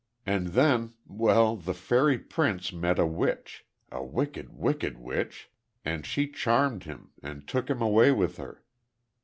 "And then, well, the fairy prince met a witch a wicked, wicked witch and she charmed him, and took him away with her.